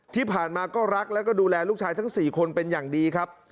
ที่ผ่านมาก็รักแล้วก็ดูแลลูกชายทั้ง๔คนเป็นอย่างดีครับ